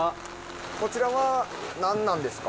こちらは何なんですか？